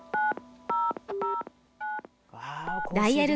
ダイヤル